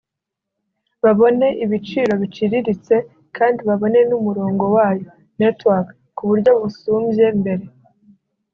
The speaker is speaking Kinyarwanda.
babone ibiciro biciriritse kandi babone n’umurongo wayo (network)k’ uburyo busumbye mbere